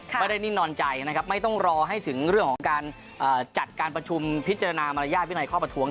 นิ่งนอนใจนะครับไม่ต้องรอให้ถึงเรื่องของการจัดการประชุมพิจารณามารยาทวินัยข้อประท้วง